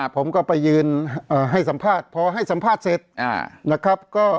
ผมก็ไปยืนให้สัมภาษณ์พอให้สัมภาษณ์เสร็จนะครับ